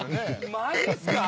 マジっすか？